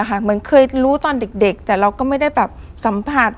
เหมือนเคยรู้ตอนเด็กแต่เราก็ไม่ได้แบบสัมผัส